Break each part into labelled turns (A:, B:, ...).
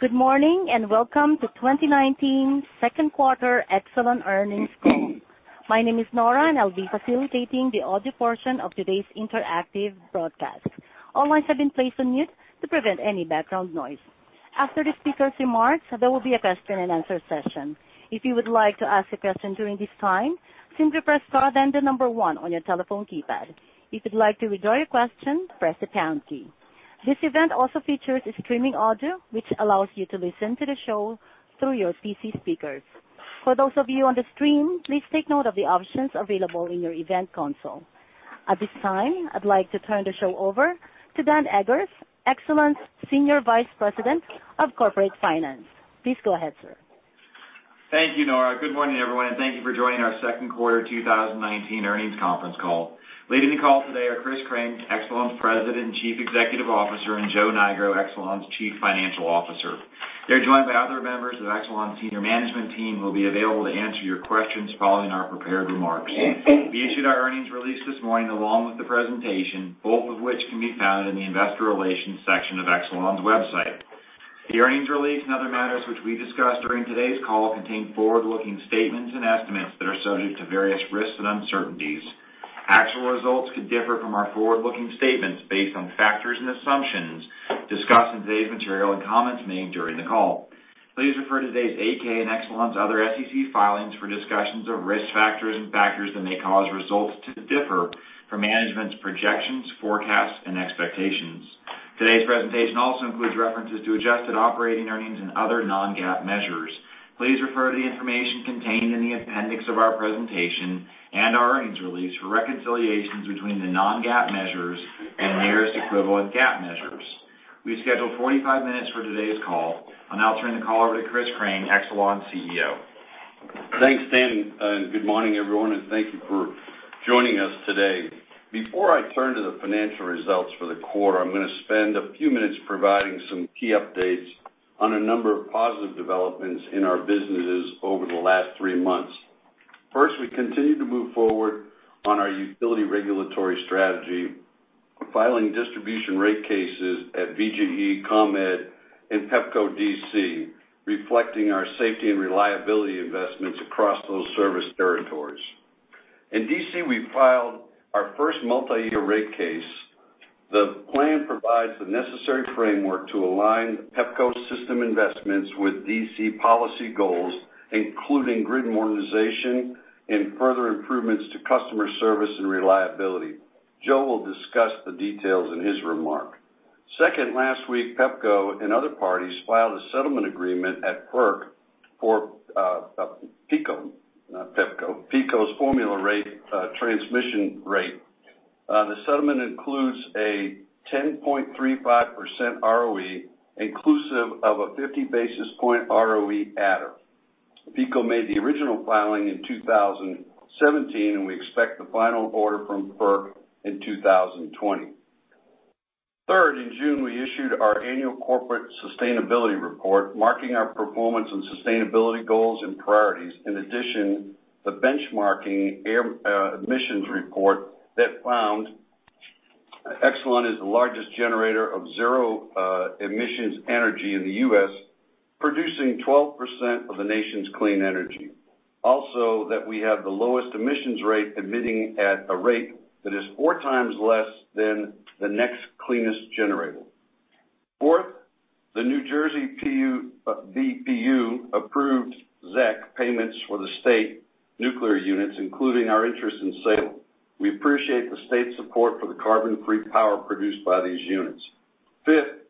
A: Good morning, welcome to 2019 second quarter Exelon earnings call. My name is Nora, and I'll be facilitating the audio portion of today's interactive broadcast. All lines have been placed on mute to prevent any background noise. After the speaker's remarks, there will be a question and answer session. If you would like to ask a question during this time, simply press star, then the number one on your telephone keypad. If you'd like to withdraw your question, press the pound key. This event also features a streaming audio, which allows you to listen to the show through your PC speakers. For those of you on the stream, please take note of the options available in your event console. At this time, I'd like to turn the show over to Dan Eggers, Exelon's Senior Vice President of Corporate Finance. Please go ahead, sir.
B: Thank you, Nora. Good morning, everyone, and thank you for joining our second quarter 2019 earnings conference call. Leading the call today are Christopher Crane, Exelon's President and Chief Executive Officer, and Joseph Nigro, Exelon's Chief Financial Officer. They're joined by other members of Exelon's senior management team who will be available to answer your questions following our prepared remarks. We issued our earnings release this morning, along with the presentation, both of which can be found in the investor relations section of Exelon's website. The earnings release and other matters which we discussed during today's call contain forward-looking statements and estimates that are subject to various risks and uncertainties. Actual results could differ from our forward-looking statements based on factors and assumptions discussed in today's material and comments made during the call. Please refer to today's 8-K and Exelon's other SEC filings for discussions of risk factors and factors that may cause results to differ from management's projections, forecasts, and expectations. Today's presentation also includes references to adjusted operating earnings and other non-GAAP measures. Please refer to the information contained in the appendix of our presentation and our earnings release for reconciliations between the non-GAAP measures and nearest equivalent GAAP measures. We scheduled 45 minutes for today's call. I'll now turn the call over to Christopher Crane, Exelon's CEO.
C: Thanks, Dan, and good morning, everyone, and thank you for joining us today. Before I turn to the financial results for the quarter, I'm going to spend a few minutes providing some key updates on a number of positive developments in our businesses over the last three months. First, we continue to move forward on our utility regulatory strategy, filing distribution rate cases at BGE, ComEd, and Pepco D.C., reflecting our safety and reliability investments across those service territories. In D.C., we filed our first multi-year rate case. The plan provides the necessary framework to align Pepco system investments with D.C. policy goals, including grid modernization and further improvements to customer service and reliability. Joe will discuss the details in his remark. Second, last week, Pepco and other parties filed a settlement agreement at FERC for PECO's formula rate, transmission rate. The settlement includes a 10.35% ROE inclusive of a 50 basis point ROE adder. We expect the final order from FERC in 2020. Third, in June, we issued our annual corporate sustainability report marking our performance and sustainability goals and priorities. In addition, the benchmarking air emissions report that found Exelon is the largest generator of zero emissions energy in the U.S., producing 12% of the nation's clean energy. Also, that we have the lowest emissions rate emitting at a rate that is four times less than the next cleanest generator. Fourth, the New Jersey BPU approved ZEC payments for the state nuclear units, including our interest in Salem. We appreciate the state support for the carbon-free power produced by these units. Fifth,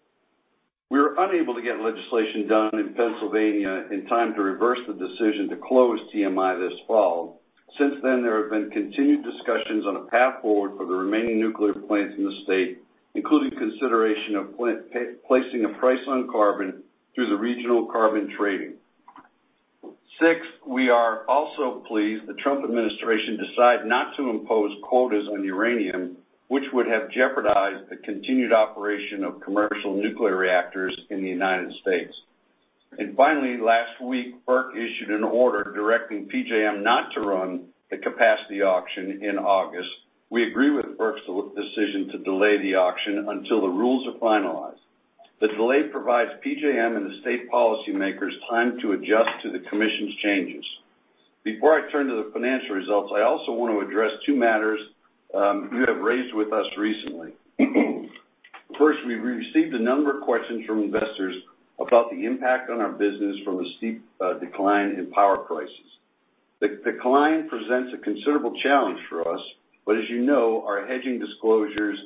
C: we were unable to get legislation done in Pennsylvania in time to reverse the decision to close TMI this fall. Since then, there have been continued discussions on a path forward for the remaining nuclear plants in the state, including consideration of placing a price on carbon through the regional carbon trading. Sixth, we are also pleased the Trump administration decided not to impose quotas on uranium, which would have jeopardized the continued operation of commercial nuclear reactors in the United States. Finally, last week, FERC issued an order directing PJM not to run the capacity auction in August. We agree with FERC's decision to delay the auction until the rules are finalized. The delay provides PJM and the state policymakers time to adjust to the commission's changes. Before I turn to the financial results, I also want to address two matters you have raised with us recently. First, we've received a number of questions from investors about the impact on our business from the steep decline in power prices. The decline presents a considerable challenge for us, but as you know, our hedging disclosures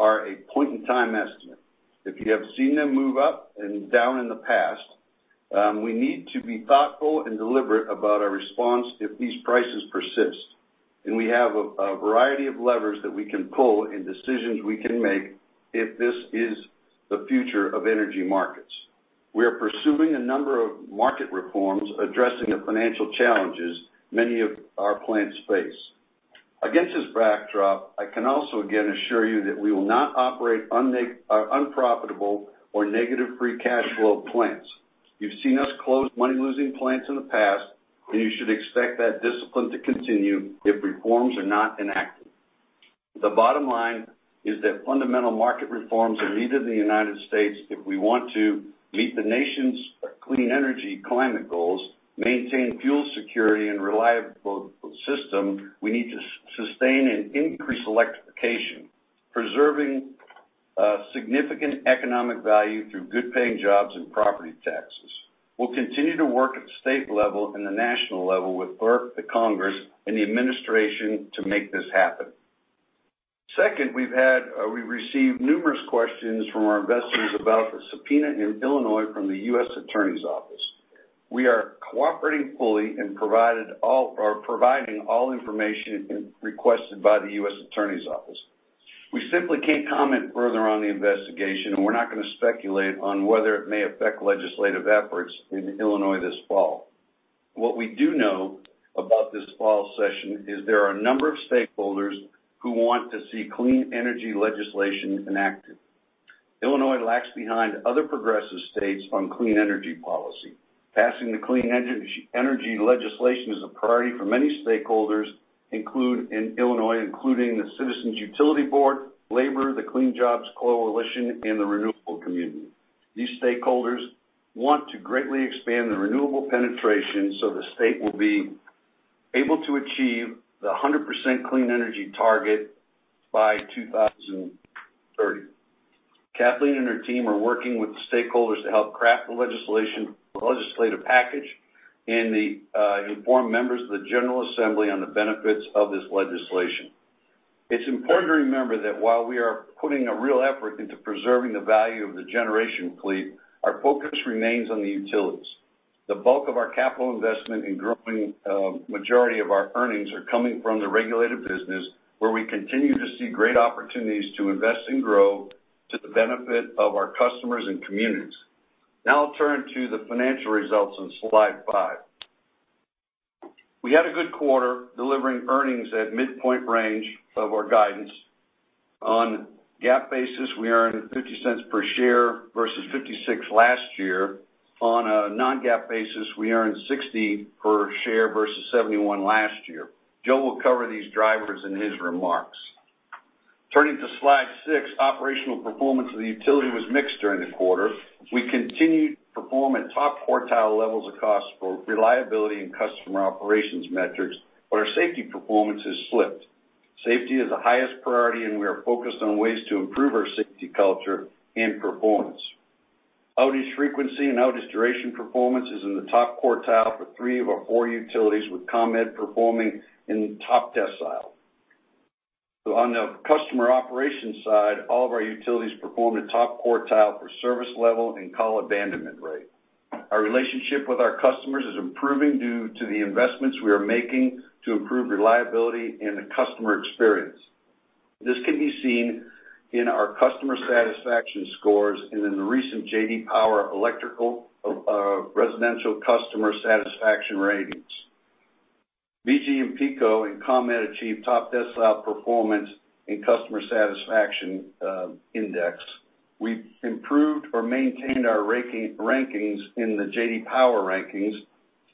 C: are a point-in-time estimate. If you have seen them move up and down in the past, we need to be thoughtful and deliberate about our response if these prices persist, and we have a variety of levers that we can pull and decisions we can make if this is the future of energy markets. We are pursuing a number of market reforms addressing the financial challenges many of our plants face. Against this backdrop, I can also again assure you that we will not operate unprofitable or negative free cash flow plants. You've seen us close money-losing plants in the past, and you should expect that discipline to continue if reforms are not enacted. The bottom line is that fundamental market reforms are needed in the United States if we want to meet the nation's clean energy climate goals, maintain fuel security, and reliable system, we need to sustain and increase electrification, preserving significant economic value through good-paying jobs and property taxes. We'll continue to work at the state level and the national level with FERC, the Congress, and the administration to make this happen. Second, we've received numerous questions from our investors about the subpoena in Illinois from the U.S. Attorney's Office. We are cooperating fully and are providing all information requested by the U.S. Attorney's Office. We simply can't comment further on the investigation, and we're not going to speculate on whether it may affect legislative efforts in Illinois this fall. What we do know about this fall session is there are a number of stakeholders who want to see clean energy legislation enacted. Illinois lags behind other progressive states on clean energy policy. Passing the clean energy legislation is a priority for many stakeholders in Illinois, including the Citizens Utility Board, labor, the Clean Jobs Coalition, and the renewable community. These stakeholders want to greatly expand their renewable penetration so the state will be able to achieve the 100% clean energy target by 2030. Kathleen and her team are working with the stakeholders to help craft the legislative package and inform members of the General Assembly on the benefits of this legislation. It's important to remember that while we are putting a real effort into preserving the value of the generation fleet, our focus remains on the utilities. The bulk of our capital investment and growing majority of our earnings are coming from the regulated business, where we continue to see great opportunities to invest and grow to the benefit of our customers and communities. I'll turn to the financial results on slide five. We had a good quarter, delivering earnings at midpoint range of our guidance. On a GAAP basis, we earned $0.50 per share versus $0.56 last year. On a non-GAAP basis, we earned $0.60 per share versus $0.71 last year. Joe will cover these drivers in his remarks. Turning to slide six, operational performance of the utility was mixed during the quarter. We continued to perform at top quartile levels of cost for reliability and customer operations metrics, but our safety performance has slipped. Safety is the highest priority, and we are focused on ways to improve our safety culture and performance. Outage frequency and outage duration performance is in the top quartile for three of our four utilities, with ComEd performing in the top decile. On the customer operations side, all of our utilities performed at top quartile for service level and call abandonment rate. Our relationship with our customers is improving due to the investments we are making to improve reliability and the customer experience. This can be seen in our customer satisfaction scores and in the recent J.D. Power Electrical Residential Customer Satisfaction ratings. BGE and PECO and ComEd achieved top decile performance in customer satisfaction index. We've improved or maintained our rankings in the J.D. Power rankings.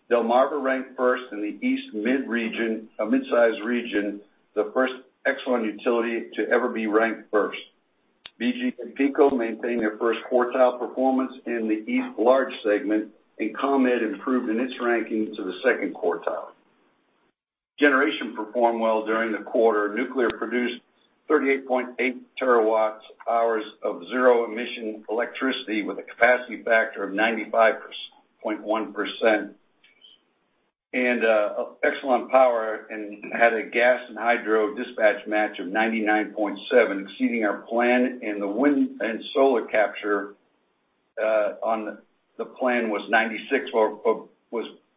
C: Delmarva Power ranked first in the East mid-sized region, the first Exelon utility to ever be ranked first. BGE and PECO maintained their first quartile performance in the East large segment, and ComEd improved in its ranking to the second quartile. Generation performed well during the quarter. Nuclear produced 38.8 terawatts, hours of zero-emission electricity with a capacity factor of 95.1%. Exelon Power had a gas and hydro dispatch match of 99.7, exceeding our plan, and the wind and solar capture on the plan was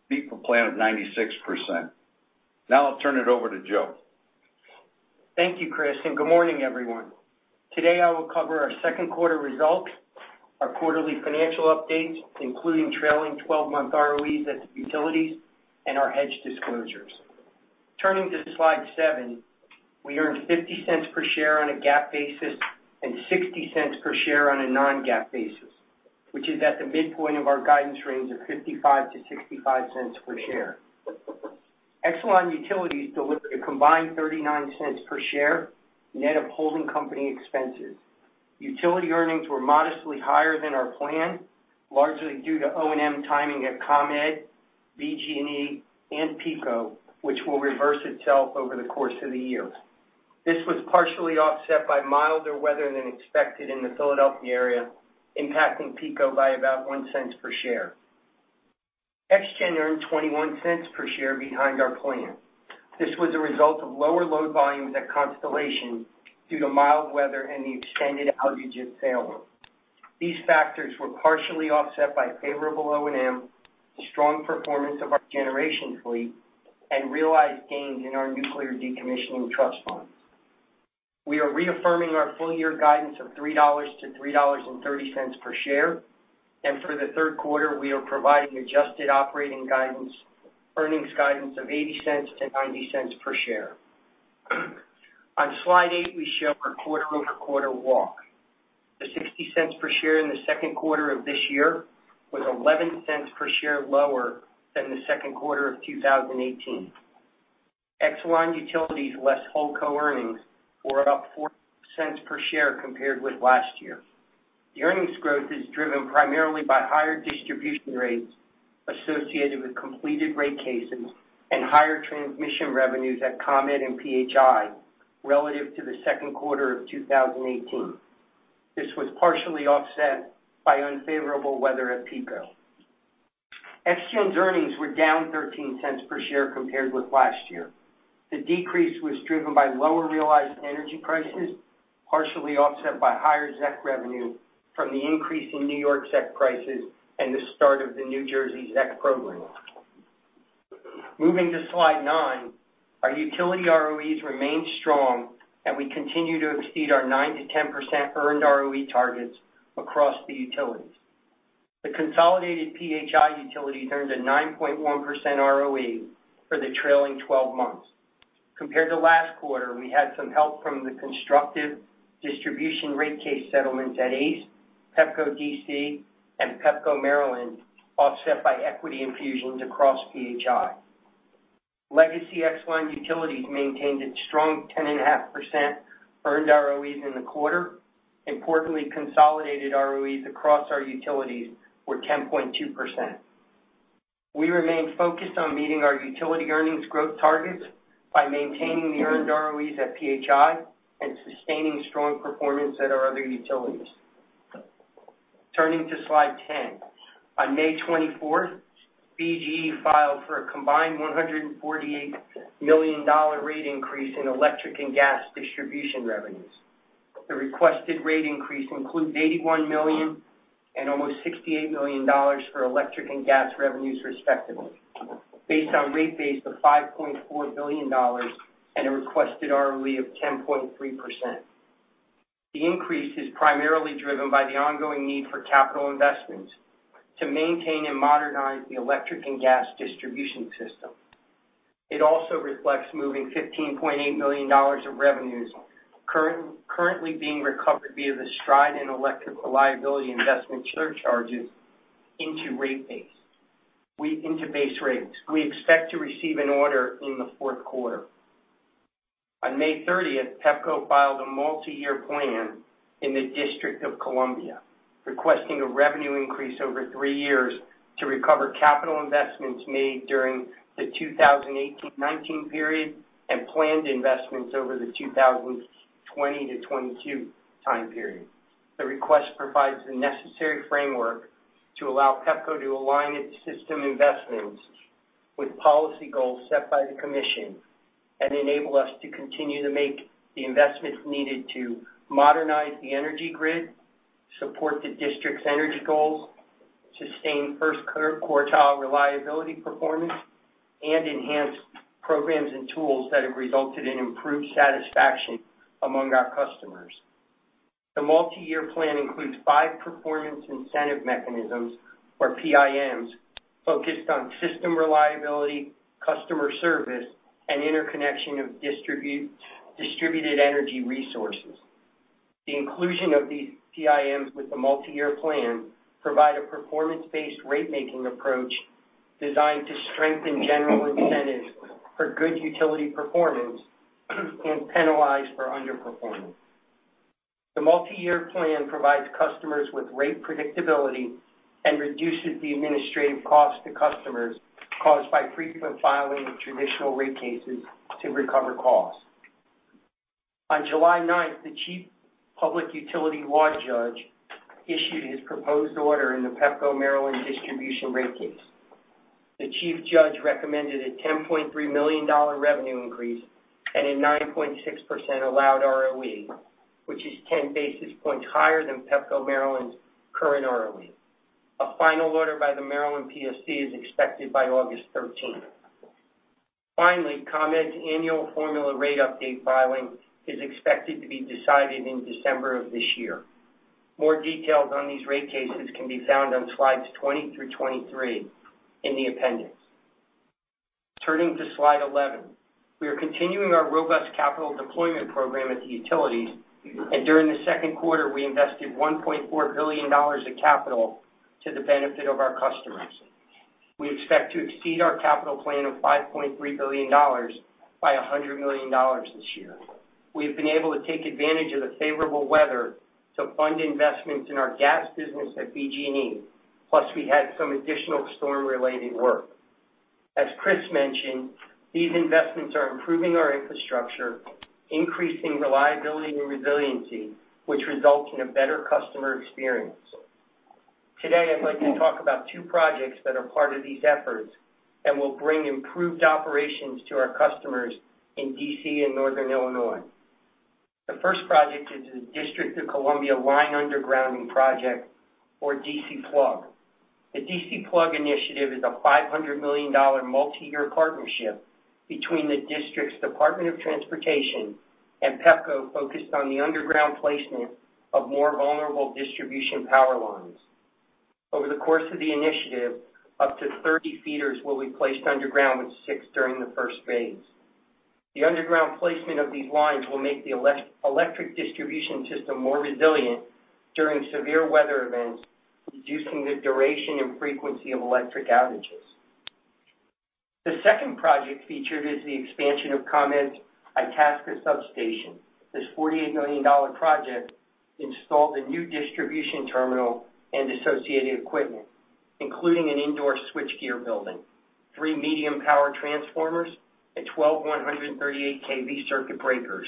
C: beat the plan of 96%. Now I'll turn it over to Joe.
D: Thank you, Chris, and good morning, everyone. Today, I will cover our second quarter results, our quarterly financial updates, including trailing 12-month ROEs at the utilities, and our hedge disclosures. Turning to slide seven, we earned $0.50 per share on a GAAP basis and $0.60 per share on a non-GAAP basis, which is at the midpoint of our guidance range of $0.55-$0.65 per share. Exelon Utilities delivered a combined $0.39 per share, net of holding company expenses. Utility earnings were modestly higher than our plan, largely due to O&M timing at ComEd, BGE, and PECO, which will reverse itself over the course of the year. This was partially offset by milder weather than expected in the Philadelphia area, impacting PECO by about $0.01 per share. ExGen earned $0.21 per share behind our plan. This was a result of lower load volumes at Constellation due to mild weather and the extended outage at Salem. These factors were partially offset by favorable O&M, strong performance of our generation fleet, and realized gains in our nuclear decommissioning trust fund. We are reaffirming our full-year guidance of $3 to $3.30 per share. For the third quarter, we are providing adjusted operating earnings guidance of $0.80 to $0.90 per share. On slide eight, we show our quarter-over-quarter walk. The $0.60 per share in the second quarter of this year was $0.11 per share lower than the second quarter of 2018. Exelon Utilities less Holdco earnings were up $0.04 per share compared with last year. The earnings growth is driven primarily by higher distribution rates associated with completed rate cases and higher transmission revenues at ComEd and PHI relative to the second quarter of 2018. This was partially offset by unfavorable weather at PECO. Exelon's earnings were down $0.13 per share compared with last year. The decrease was driven by lower realized energy prices, partially offset by higher ZEC revenue from the increase in New York ZEC prices and the start of the New Jersey ZEC program. Moving to slide nine, our utility ROEs remain strong, and we continue to exceed our 9%-10% earned ROE targets across the utilities. The consolidated PHI utility earned a 9.1% ROE for the trailing 12 months. Compared to last quarter, we had some help from the constructive distribution rate case settlements at ACE, Pepco DC, and Pepco Maryland, offset by equity infusions across PHI. Legacy Exelon utilities maintained its strong 10.5% earned ROEs in the quarter. Importantly, consolidated ROEs across our utilities were 10.2%. We remain focused on meeting our utility earnings growth targets by maintaining the earned ROEs at PHI and sustaining strong performance at our other utilities. Turning to slide 10. On May 24th, BGE filed for a combined $148 million rate increase in electric and gas distribution revenues. The requested rate increase includes $81 million and almost $68 million for electric and gas revenues respectively, based on rate base of $5.4 billion and a requested ROE of 10.3%. The increase is primarily driven by the ongoing need for capital investments to maintain and modernize the electric and gas distribution system. It also reflects moving $15.8 million of revenues currently being recovered via the STRIDE and electric reliability investment surcharges into base rates. We expect to receive an order in the fourth quarter. On May 30th, Pepco filed a multi-year plan in the District of Columbia, requesting a revenue increase over three years to recover capital investments made during the 2018-2019 period and planned investments over the 2020 to 2022 time period. The request provides the necessary framework to allow Pepco to align its system investments with policy goals set by the commission and enable us to continue to make the investments needed to modernize the energy grid, support the District's energy goals, sustain first quartile reliability performance, and enhance programs and tools that have resulted in improved satisfaction among our customers. The multi-year plan includes five performance incentive mechanisms, or PIMs, focused on system reliability, customer service, and interconnection of distributed energy resources. The inclusion of these PIMs with the multi-year plan provide a performance-based rate-making approach designed to strengthen general incentives for good utility performance and penalize for underperformance. The multi-year plan provides customers with rate predictability and reduces the administrative cost to customers caused by frequent filing of traditional rate cases to recover costs. On July 9th, the chief public utility law judge issued his proposed order in the Pepco Maryland distribution rate case. The chief judge recommended a $10.3 million revenue increase and a 9.6% allowed ROE, which is 10 basis points higher than Pepco Maryland's current ROE. A final order by the Maryland PSC is expected by August 13th. Finally, ComEd's annual formula rate update filing is expected to be decided in December of this year. More details on these rate cases can be found on slides 20 through 23 in the appendix. Turning to slide 11. We are continuing our robust capital deployment program at the utilities, and during the second quarter, we invested $1.4 billion of capital to the benefit of our customers. We expect to exceed our capital plan of $5.3 billion by $100 million this year. We've been able to take advantage of the favorable weather to fund investments in our gas business at BGE. Plus, we had some additional storm-related work. As Chris mentioned, these investments are improving our infrastructure, increasing reliability and resiliency, which results in a better customer experience. Today, I'd like to talk about two projects that are part of these efforts and will bring improved operations to our customers in D.C. and Northern Illinois. The first project is the District of Columbia Line Underground Project, or DC PLUG. The DC PLUG initiative is a $500 million multi-year partnership between the District Department of Transportation and Pepco, focused on the underground placement of more vulnerable distribution power lines. Over the course of the initiative, up to 30 feeders will be placed underground, with six during the first phase. The underground placement of these lines will make the electric distribution system more resilient during severe weather events, reducing the duration and frequency of electric outages. The second project featured is the expansion of ComEd's Itasca Substation. This $48 million project installed a new distribution terminal and associated equipment, including an indoor switchgear building, three medium power transformers, and 12 138 kV circuit breakers.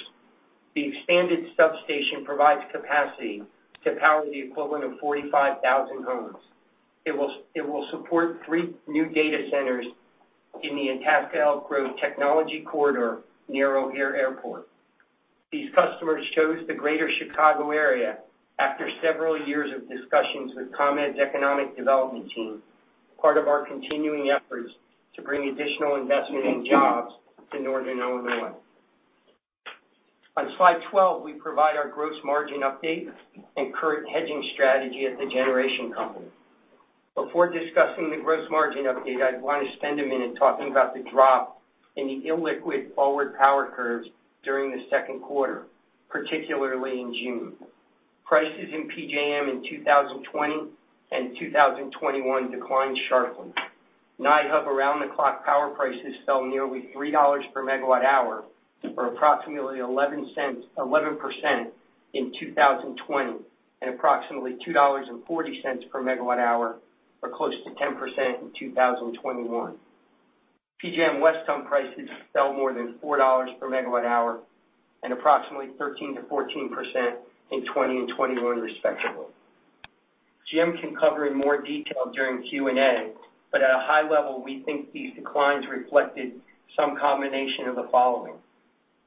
D: The expanded substation provides capacity to power the equivalent of 45,000 homes. It will support three new data centers in the Itasca Elk Grove technology corridor near O'Hare Airport. These customers chose the greater Chicago area after several years of discussions with ComEd's economic development team, part of our continuing efforts to bring additional investment and jobs to northern Illinois. On slide 12, we provide our gross margin update and current hedging strategy at the generation company. Before discussing the gross margin update, I want to spend a minute talking about the drop in the illiquid forward power curves during the second quarter, particularly in June. Prices in PJM in 2020 and 2021 declined sharply. NI Hub around-the-clock power prices fell nearly $3 per MW hour, or approximately 11% in 2020, and approximately $2.40 per MW hour, or close to 10% in 2021. PJM Western Hub prices fell more than $4 per MW hour and approximately 13%-14% in 2020 and 2021, respectively. Jim can cover in more detail during Q&A, but at a high level, we think these declines reflected some combination of the following: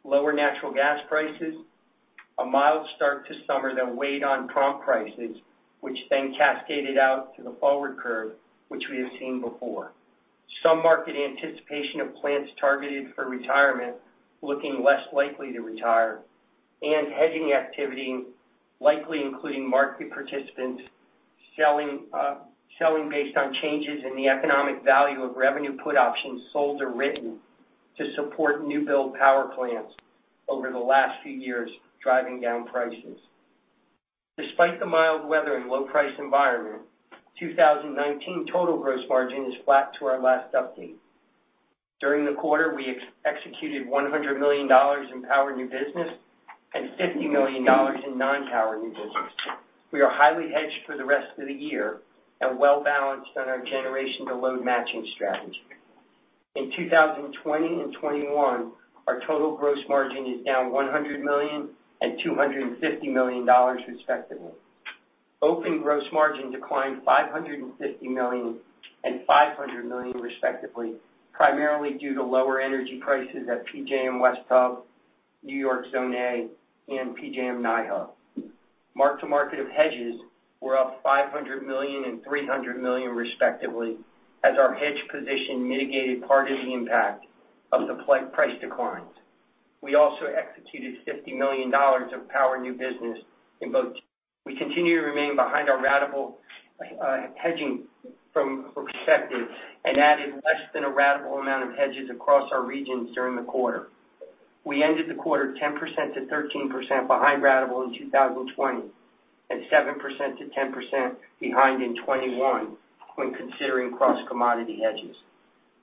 D: lower natural gas prices, a mild start to summer that weighed on prompt prices, which then cascaded out to the forward curve, which we have seen before. Some market anticipation of plants targeted for retirement looking less likely to retire, and hedging activity, likely including market participants selling based on changes in the economic value of revenue put options sold or written to support new-build power plants over the last few years, driving down prices. Despite the mild weather and low price environment, 2019 total gross margin is flat to our last update. During the quarter, we executed $100 million in power new business and $50 million in non-power new business. We are highly hedged for the rest of the year and well-balanced on our generation to load matching strategy. In 2020 and 2021, our total gross margin is down $100 million and $250 million, respectively. Open gross margin declined $550 million and $500 million, respectively, primarily due to lower energy prices at PJM West Hub, New York Zone A, and PJM NI Hub. Mark-to-market of hedges were up $500 million and $300 million, respectively, as our hedge position mitigated part of the impact of the price declines. We also executed $50 million of power new business in both. We continue to remain behind our ratable hedging from respective and added less than a ratable amount of hedges across our regions during the quarter. We ended the quarter 10%-13% behind ratable in 2020, and 7%-10% behind in 2021 when considering cross-commodity hedges.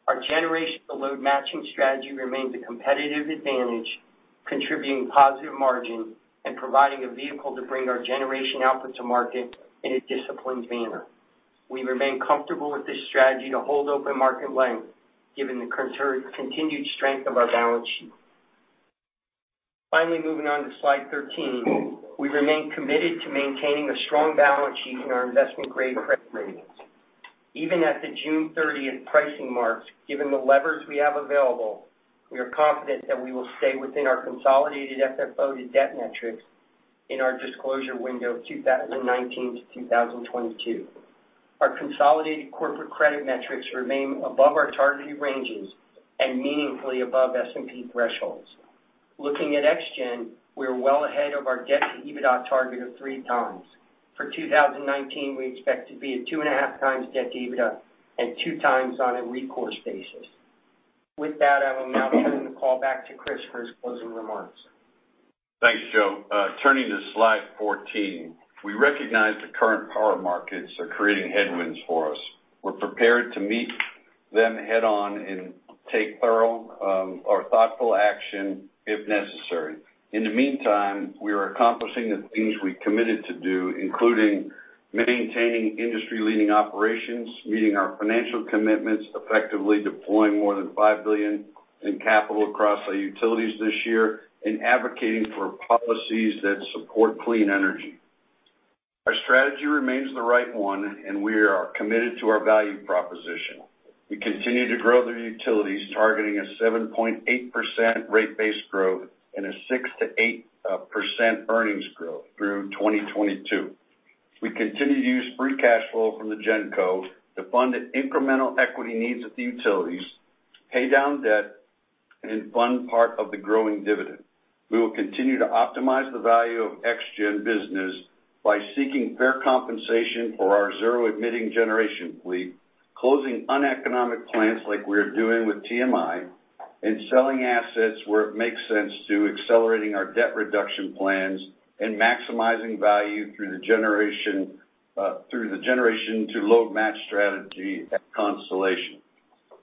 D: Our generation to load matching strategy remains a competitive advantage, contributing positive margin and providing a vehicle to bring our generation output to market in a disciplined manner. We remain comfortable with this strategy to hold open market length given the continued strength of our balance sheet. Moving on to slide 13. We remain committed to maintaining a strong balance sheet in our investment-grade credit ratings. Even at the June 30th pricing marks, given the levers we have available, we are confident that we will stay within our consolidated FFO to debt metrics in our disclosure window 2019-2022. Our consolidated corporate credit metrics remain above our targeted ranges and meaningfully above S&P thresholds. Looking at ExGen, we are well ahead of our debt-to-EBITDA target of 3 times. For 2019, we expect to be at 2.5 times debt to EBITDA and 2 times on a recourse basis. With that, I will now turn the call back to Chris for his closing remarks.
C: Thanks, Joe. Turning to slide 14. We recognize the current power markets are creating headwinds for us. We're prepared to meet them head-on and take thorough or thoughtful action if necessary. In the meantime, we are accomplishing the things we committed to do, including maintaining industry-leading operations, meeting our financial commitments, effectively deploying more than $5 billion in capital across our utilities this year, and advocating for policies that support clean energy. Our strategy remains the right one. We are committed to our value proposition. We continue to grow the utilities, targeting a 7.8% rate base growth and a 6%-8% earnings growth through 2022. We continue to use free cash flow from the Genco to fund the incremental equity needs of the utilities, pay down debt and fund part of the growing dividend. We will continue to optimize the value of ExGen business by seeking fair compensation for our zero-emitting generation fleet, closing uneconomic plants like we're doing with TMI, and selling assets where it makes sense to accelerating our debt reduction plans, and maximizing value through the generation to load match strategy at Constellation.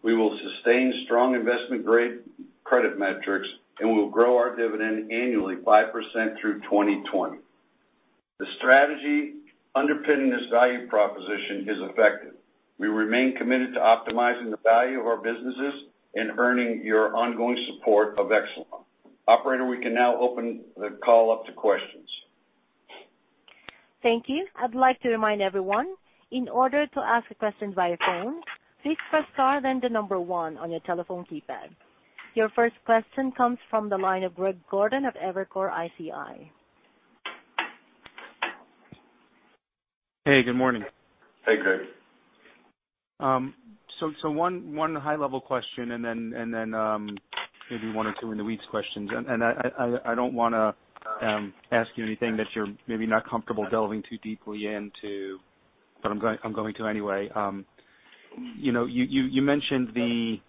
C: We will sustain strong investment-grade credit metrics, and we'll grow our dividend annually 5% through 2020. The strategy underpinning this value proposition is effective. We remain committed to optimizing the value of our businesses and earning your ongoing support of Exelon. Operator, we can now open the call up to questions.
A: Thank you. I'd like to remind everyone, in order to ask a question via phone, please press star then the number 1 on your telephone keypad. Your first question comes from the line of Greg Gordon of Evercore ISI.
E: Hey, good morning.
C: Hey, Greg.
E: One high-level question, then maybe one or two in the weeds questions. I don't want to ask you anything that you're maybe not comfortable delving too deeply into, but I'm going to anyway. You mentioned the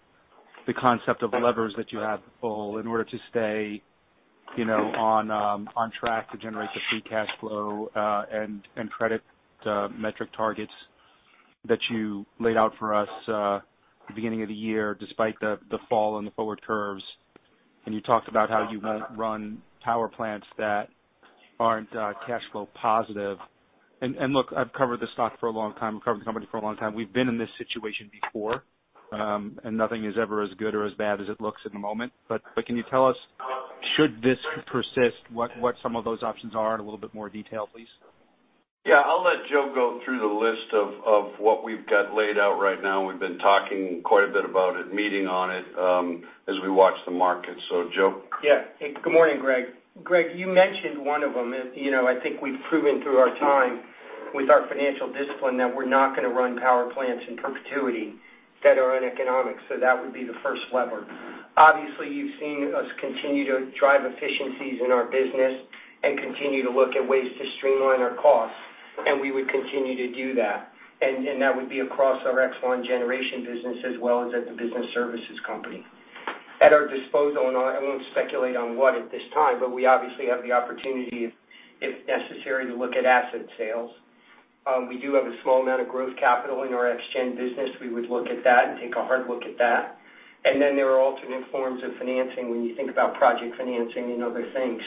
E: concept of levers that you have to pull in order to stay on track to generate the free cash flow and credit metric targets that you laid out for us at the beginning of the year, despite the fall and the forward curves. You talked about how you won't run power plants that aren't cash flow positive. Look, I've covered this stock for a long time, I've covered the company for a long time. We've been in this situation before, and nothing is ever as good or as bad as it looks at the moment. Can you tell us, should this persist, what some of those options are in a little bit more detail, please?
C: Yeah. I'll let Joe go through the list of what we've got laid out right now. We've been talking quite a bit about it, meeting on it, as we watch the markets. Joe?
D: Yeah. Good morning, Greg. Greg, you mentioned one of them. I think we've proven through our time with our financial discipline that we're not going to run power plants in perpetuity that are uneconomic. That would be the first lever. Obviously, you've seen us continue to drive efficiencies in our business and continue to look at ways to streamline our costs, and we would continue to do that. That would be across our Exelon Generation business, as well as at the business services company. At our disposal, and I won't speculate on what at this time, but we obviously have the opportunity, if necessary, to look at asset sales. We do have a small amount of growth capital in our ExGen business. We would look at that and take a hard look at that. Then there are alternate forms of financing when you think about project financing and other things.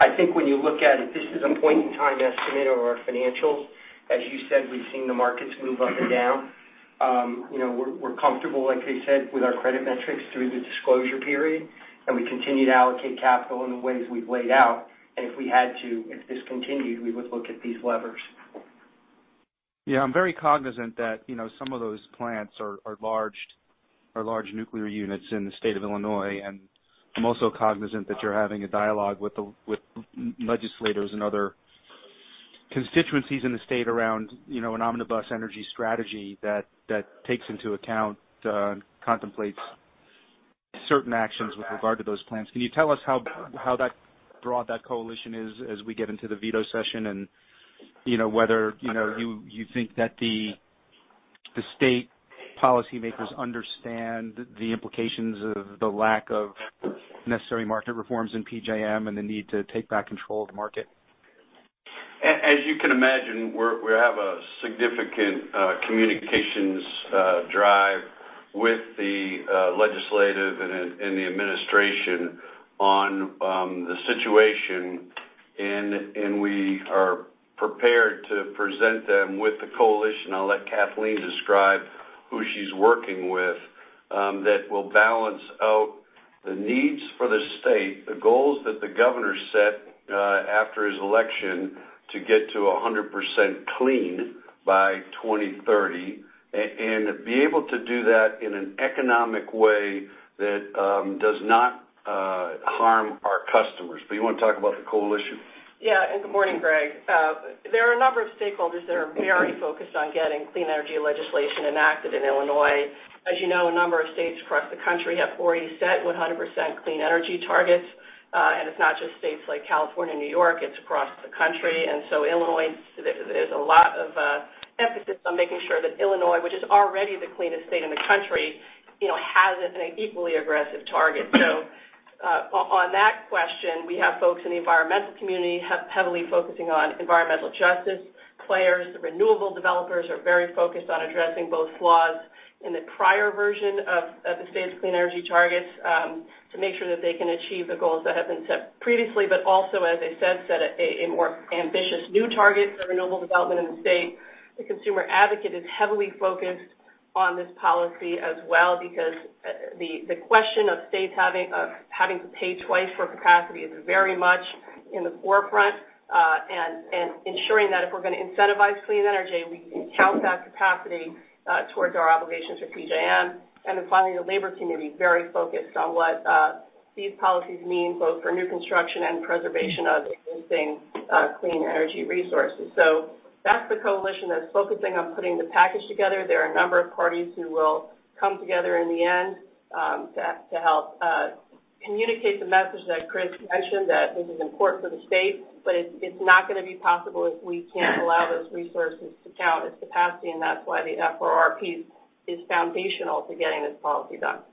D: I think when you look at it, this is a point in time estimate of our financials. As you said, we've seen the markets move up and down. We're comfortable, like I said, with our credit metrics through the disclosure period, and we continue to allocate capital in the ways we've laid out. If we had to, if this continued, we would look at these levers.
E: Yeah. I'm very cognizant that some of those plants are large nuclear units in the state of Illinois. I'm also cognizant that you're having a dialogue with legislators and other constituencies in the state around an omnibus energy strategy that takes into account and contemplates certain actions with regard to those plants. Can you tell us how broad that coalition is as we get into the veto session and whether you think that the state policymakers understand the implications of the lack of necessary market reforms in PJM and the need to take back control of the market?
C: As you can imagine, we have a significant communications drive with the legislative and the Administration on the situation. We are prepared to present them with the coalition. I'll let Kathleen describe who she's working with that will balance out the needs for the state, the goals that the governor set after his election to get to 100% clean by 2030. Be able to do that in an economic way that does not harm our customers. You want to talk about the coalition?
F: Yeah. Good morning, Greg. There are a number of stakeholders that are very focused on getting clean energy legislation enacted in Illinois. As you know, a number of states across the country have already set 100% clean energy targets. It's not just states like California, New York, it's across the country. There's a lot of emphasis on making sure that Illinois, which is already the cleanest state in the country, has an equally aggressive target. On that question, we have folks in the environmental community heavily focusing on environmental justice players. The renewable developers are very focused on addressing both flaws in the prior version of the state's clean energy targets to make sure that they can achieve the goals that have been set previously, but also, as I said, set a more ambitious new target for renewable development in the state. The consumer advocate is heavily focused on this policy as well because the question of states having to pay twice for capacity is very much in the forefront. Ensuring that if we're going to incentivize clean energy, we can count that capacity towards our obligations for PJM. Finally, the labor community, very focused on what these policies mean both for new construction and preservation of existing clean energy resources. That's the coalition that's focusing on putting the package together. There are a number of parties who will come together in the end to help communicate the message that Chris mentioned, that this is important for the state. It's not going to be possible if we can't allow those resources to count as capacity, and that's why the FRRP is foundational to getting this policy done.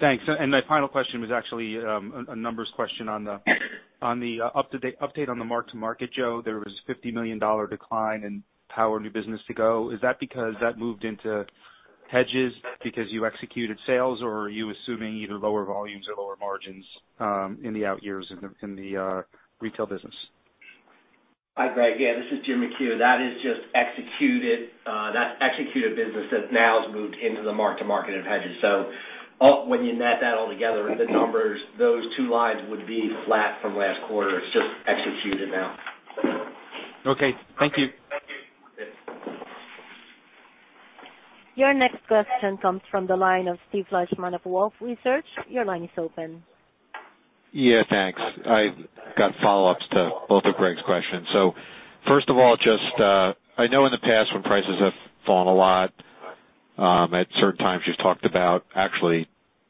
E: Thanks. My final question was actually a numbers question on the update on the mark-to-market, Joe. There was a $50 million decline in power new business to go. Is that because that moved into hedges? Is that because you executed sales? Or are you assuming either lower volumes or lower margins in the out years in the retail business?
G: Hi, Greg. Yeah, this is James McHugh. That is just executed business that now has moved into the mark-to-market of hedges. When you net that all together, the numbers, those two lines would be flat from last quarter. It's just executed now.
E: Okay. Thank you.
G: Thank you.
A: Your next question comes from the line of Steve Fleishman of Wolfe Research. Your line is open.
H: Yeah, thanks. I got follow-ups to both of Greg's questions. First of all, I know in the past when prices have fallen a lot, at certain times you've talked about actually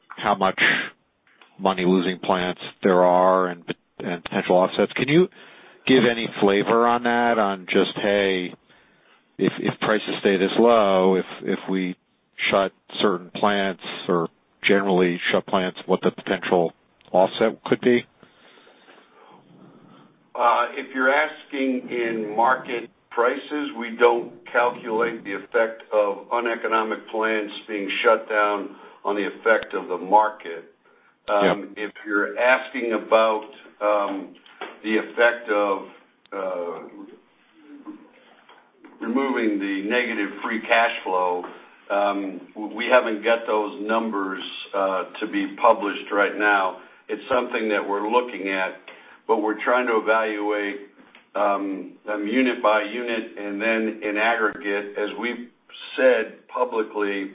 H: how much money losing plants there are and potential offsets. Can you give any flavor on that, on just, hey, if prices stay this low, if we shut certain plants or generally shut plants, what the potential offset could be?
C: If you're asking in market prices, we don't calculate the effect of uneconomic plants being shut down on the effect of the market.
H: Yep.
C: If you're asking about the effect of removing the negative free cash flow, we haven't got those numbers to be published right now. It's something that we're looking at. We're trying to evaluate unit by unit and then in aggregate. As we've said publicly,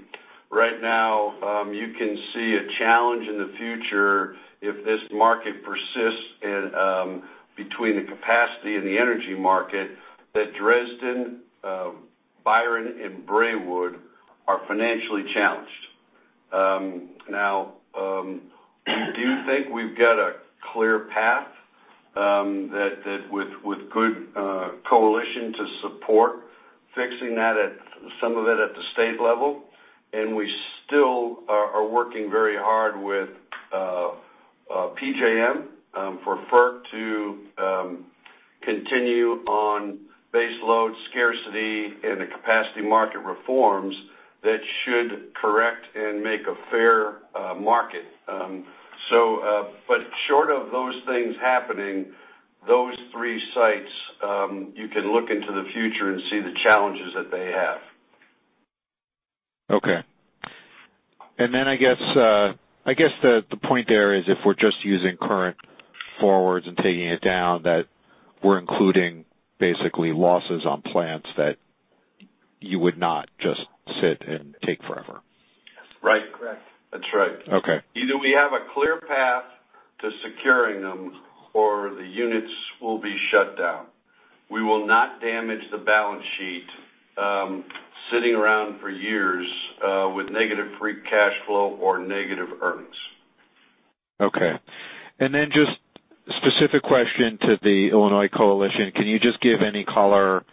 C: right now, you can see a challenge in the future if this market persists between the capacity and the energy market, that Dresden, Byron, and Braidwood are financially challenged. We do think we've got a clear path with good coalition to support fixing some of it at the state level. We still are working very hard with PJM for FERC to continue on baseload scarcity and the capacity market reforms that should correct and make a fair market. Short of those things happening, those three sites, you can look into the future and see the challenges that they have.
H: Okay. I guess the point there is if we're just using current forwards and taking it down, that we're including basically losses on plants that you would not just sit and take forever.
C: Right.
F: Correct.
C: That's right.
H: Okay.
C: Either we have a clear path to securing them, or the units will be shut down. We will not damage the balance sheet sitting around for years with negative free cash flow or negative earnings.
H: Okay. Just a specific question to the Illinois Coalition, can you just give any color,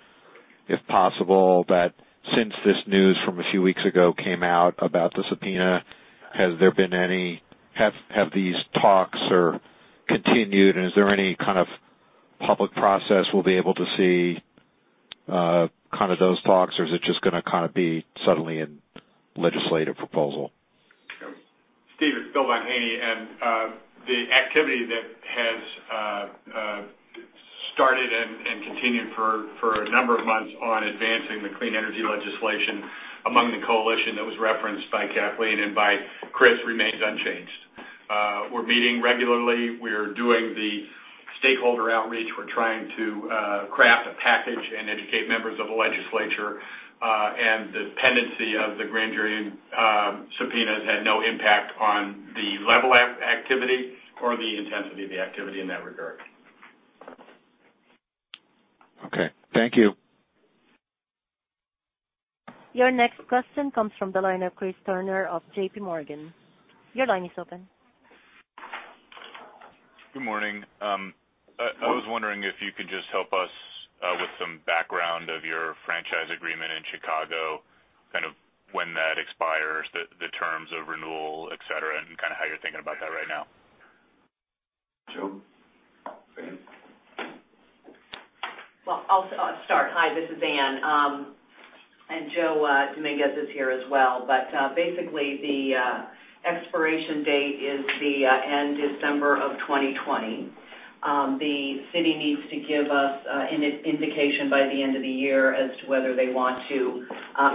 H: if possible, that since this news from a few weeks ago came out about the subpoena, have these talks continued? Is there any kind of public process we'll be able to see those talks? Or is it just going to be suddenly a legislative proposal?
I: Steve, it's Bill Mahaney. The activity that has started and continued for a number of months on advancing the clean energy legislation among the coalition that was referenced by Kathleen and by Chris remains unchanged. We're meeting regularly. We're doing the stakeholder outreach. We're trying to craft a package and educate members of the legislature. The pendency of the grand jury and subpoenas had no impact on the level of activity or the intensity of the activity in that regard.
H: Okay. Thank you.
A: Your next question comes from the line of Chris Turner of JPMorgan. Your line is open.
J: Good morning. I was wondering if you could just help us with some background of your franchise agreement in Chicago, when that expires, the terms of renewal, et cetera, and how you're thinking about that right now.
C: Joe? Anne?
K: Well, I'll start. Hi, this is Anne. Joe Dominguez is here as well. Basically, the expiration date is the end December of 2020. To give us an indication by the end of the year as to whether they want to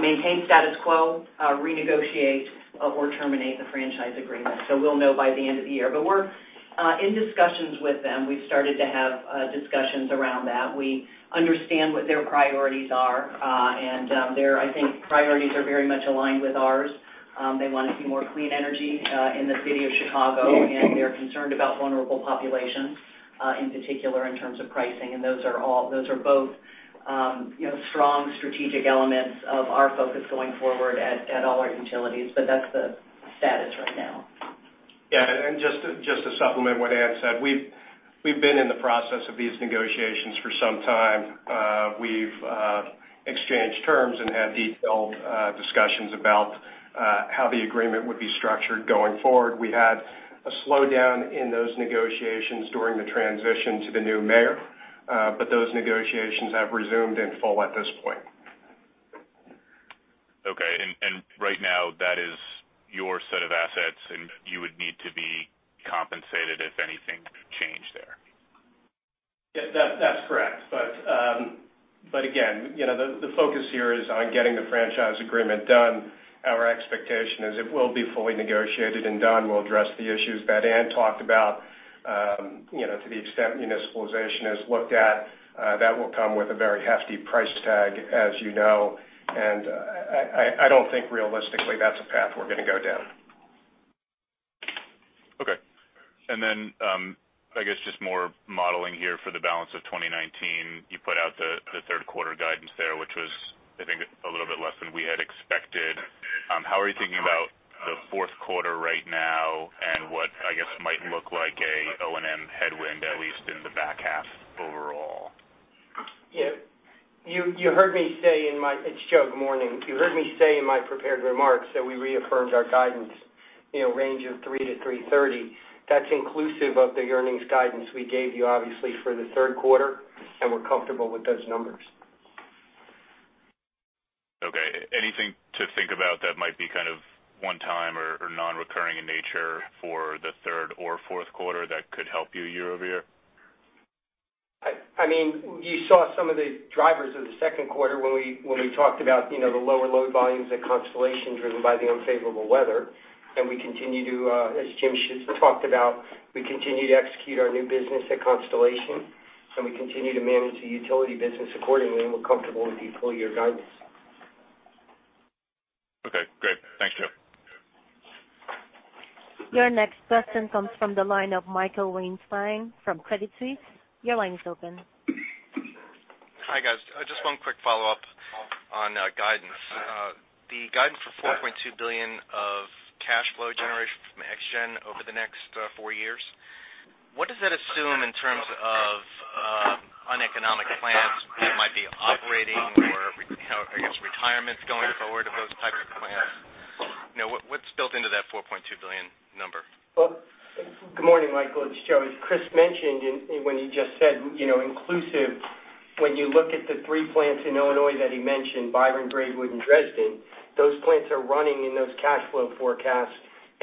K: maintain status quo, renegotiate, or terminate the franchise agreement. We'll know by the end of the year. We're in discussions with them. We've started to have discussions around that. We understand what their priorities are. Their, I think, priorities are very much aligned with ours. They want to see more clean energy in the City of Chicago, and they're concerned about vulnerable populations, in particular in terms of pricing. Those are both strong strategic elements of our focus going forward at all our utilities. That's the status right now.
L: Yeah. Just to supplement what Anne said, we've been in the process of these negotiations for some time. We've exchanged terms and had detailed discussions about how the agreement would be structured going forward. We had a slowdown in those negotiations during the transition to the new mayor, but those negotiations have resumed in full at this point.
J: Okay. Right now, that is your set of assets, and you would need to be compensated if anything changed there.
L: Yeah, that's correct. Again, the focus here is on getting the franchise agreement done. Our expectation is it will be fully negotiated and done. We'll address the issues that Anne talked about. To the extent municipalization is looked at, that will come with a very hefty price tag, as you know, and I don't think realistically that's a path we're going to go down.
J: Okay. I guess just more modeling here for the balance of 2019. You put out the third quarter guidance there, which was, I think, a little bit less than we had expected. How are you thinking about the fourth quarter right now and what, I guess, might look like a O&M headwind, at least in the back half overall?
D: Yeah. It's Joe. Good morning. You heard me say in my prepared remarks that we reaffirmed our guidance, range of $3.00-$3.30. That's inclusive of the earnings guidance we gave you, obviously, for the third quarter, and we're comfortable with those numbers.
J: Okay. Anything to think about that might be kind of one time or non-recurring in nature for the third or fourth quarter that could help you year-over-year?
D: You saw some of the drivers of the second quarter when we talked about the lower load volumes at Constellation driven by the unfavorable weather. As Jim talked about, we continue to execute our new business at Constellation, and we continue to manage the utility business accordingly, and we're comfortable with the full year guidance.
J: Okay, great. Thanks, Joe.
A: Your next question comes from the line of Michael Weinstein from Credit Suisse. Your line is open.
M: Hi, guys. Just one quick follow-up on guidance. The guidance for $4.2 billion of cash flow generation from ExGen over the next four years, what does that assume in terms of uneconomic plants that might be operating or, I guess, retirements going forward of those types of plants? What's built into that $4.2 billion number?
D: Well, good morning, Michael. It's Joe. As Chris mentioned when he just said inclusive, when you look at the three plants in Illinois that he mentioned, Byron, Braidwood, and Dresden, those plants are running in those cash flow forecasts.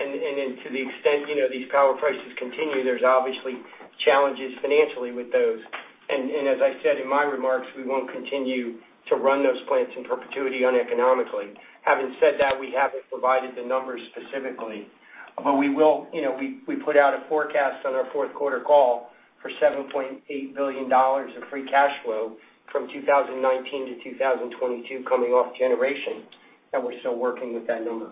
D: To the extent these power prices continue, there's obviously challenges financially with those. As I said in my remarks, we won't continue to run those plants in perpetuity uneconomically. Having said that, we haven't provided the numbers specifically. We put out a forecast on our fourth quarter call for $7.8 billion of free cash flow from 2019 to 2022 coming off generation, and we're still working with that number.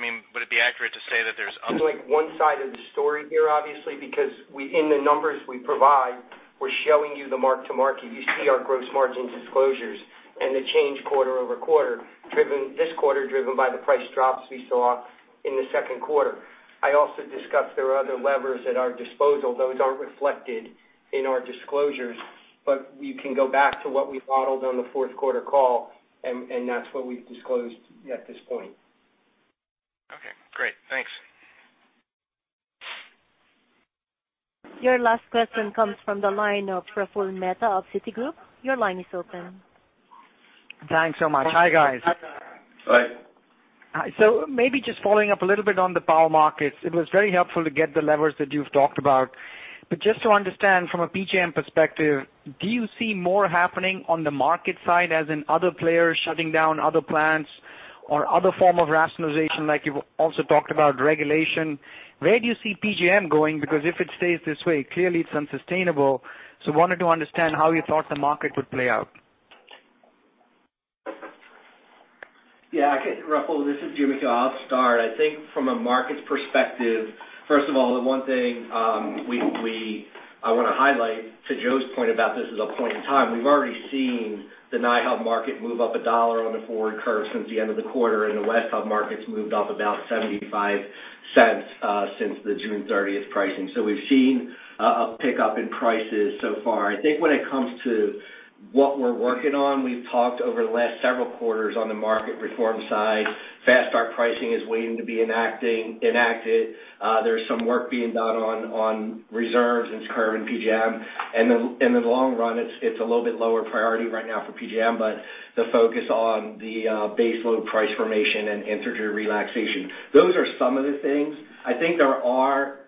M: Would it be accurate to say?
D: There's one side of the story here, obviously, because in the numbers we provide, we're showing you the mark to market. You see our gross margins disclosures and the change quarter-over-quarter, this quarter driven by the price drops we saw in the second quarter. I also discussed there are other levers at our disposal. Those aren't reflected in our disclosures, you can go back to what we modeled on the fourth quarter call, and that's what we've disclosed at this point.
M: Okay, great. Thanks.
A: Your last question comes from the line of Praful Mehta of Citigroup. Your line is open.
N: Thanks so much. Hi, guys.
L: Hi.
N: Hi. Maybe just following up a little bit on the power markets. It was very helpful to get the levers that you've talked about. Just to understand from a PJM perspective, do you see more happening on the market side as in other players shutting down other plants or other form of rationalization like you've also talked about regulation? Where do you see PJM going? If it stays this way, clearly it's unsustainable. I wanted to understand how you thought the market would play out.
G: I can, Praful. This is Jim. I'll start. I think from a markets perspective, first of all, the one thing I want to highlight to Joe's point about this is a point in time. We've already seen the NI Hub market move up $1 on the forward curve since the end of the quarter, and the West Hub markets moved up about $0.75 since the June 30th pricing. We've seen a pickup in prices so far. I think when it comes to what we're working on, we've talked over the last several quarters on the market reform side. fast-start pricing is waiting to be enacted. There's some work being done on reserves and scarcity in PJM. In the long run, it's a little bit lower priority right now for PJM, but the focus on the baseload price formation and interface relaxation. Those are some of the things. I think there are.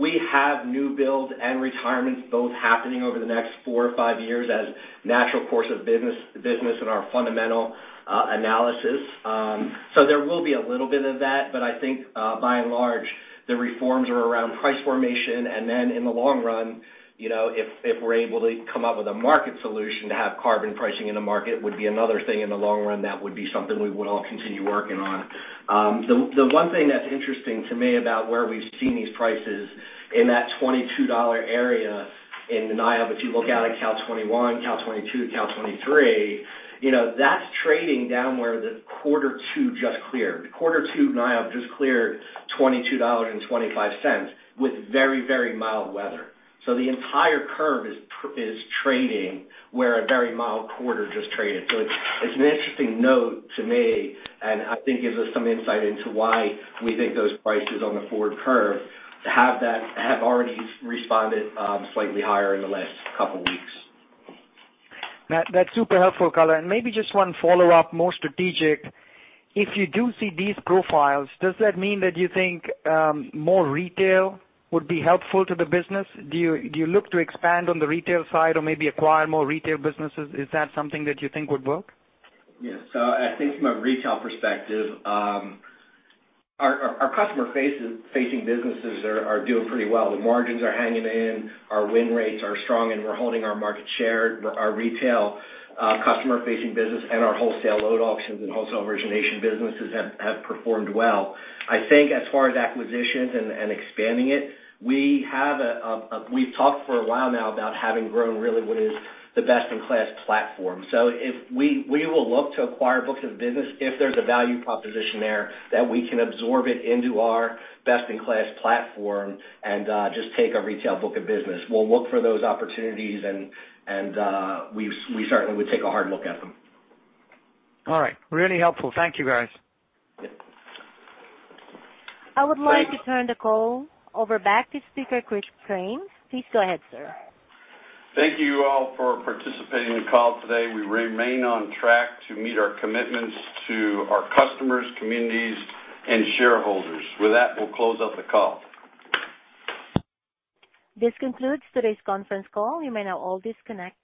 G: We have new builds and retirements both happening over the next four or five years as natural course of business in our fundamental analysis. There will be a little bit of that, but I think by and large, the reforms are around price formation. In the long run, if we're able to come up with a market solution to have carbon pricing in the market, would be another thing in the long run that would be something we would all continue working on. The one thing that's interesting to me about where we've seen these prices in that $22 area in the NI Hub, if you look out at Cal '21, Cal '22, Cal '23, that's trading down where the quarter two just cleared. Quarter two NI Hub just cleared $22.25 with very mild weather. The entire curve is trading where a very mild quarter just traded. It's an interesting note to me, and I think gives us some insight into why we think those prices on the forward curve have already responded slightly higher in the last couple of weeks.
N: That's super helpful comment. Maybe just one follow-up, more strategic. If you do see these profiles, does that mean that you think more retail would be helpful to the business? Do you look to expand on the retail side or maybe acquire more retail businesses? Is that something that you think would work?
G: Yes. I think from a retail perspective, our customer-facing businesses are doing pretty well. The margins are hanging in, our win rates are strong, and we're holding our market share. Our retail customer-facing business and our wholesale load auctions and wholesale origination businesses have performed well. I think as far as acquisitions and expanding it, we've talked for a while now about having grown really what is the best-in-class platform. We will look to acquire books of business if there's a value proposition there that we can absorb it into our best-in-class platform and just take a retail book of business. We'll look for those opportunities, and we certainly would take a hard look at them.
N: All right. Really helpful. Thank you, guys.
G: Yep.
A: I would like to turn the call over back to speaker Christopher Crane. Please go ahead, sir.
C: Thank you all for participating in the call today. We remain on track to meet our commitments to our customers, communities, and shareholders. With that, we'll close out the call.
A: This concludes today's conference call. You may now all disconnect.